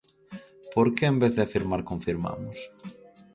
Por que en vez de afirmar confirmamos?